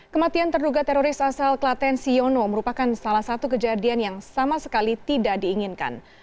kematian terduga teroris asal klaten siono merupakan salah satu kejadian yang sama sekali tidak diinginkan